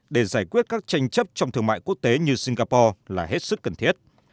để giải quyết các tranh chấp trong thương mại quốc tế như singapore là hết sức cần thiết